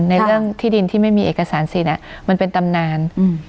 เรื่องที่ดินที่ไม่มีเอกสารสิทธิ์มันเป็นตำนาน